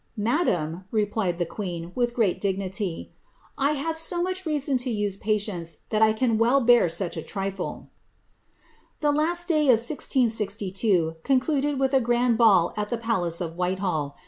^ Madam," replied the queen, with great dig I have so much reason to use patience, that 1 can well bear such m last day of the year 1662 concluded with a grand ball at the of Whitehall.